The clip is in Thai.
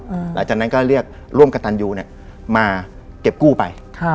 หลังจากนั้นก็เรียกร่วมกับตันยูเนี้ยมาเก็บกู้ไปค่ะ